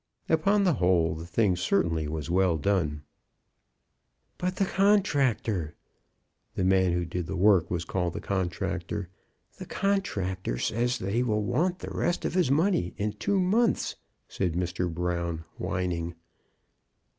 Upon the whole, the thing certainly was well done. "But the contractor," the man who did the work was called the contractor, "the contractor says that he will want the rest of his money in two months," said Mr. Brown, whining.